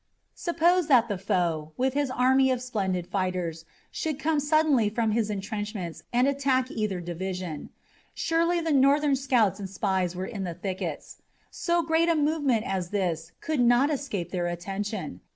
Suppose that foe, with his army of splendid fighters, should come suddenly from his intrenchments and attack either division. Surely the Northern scouts and spies were in the thickets. So great a movement as this could not escape their attention.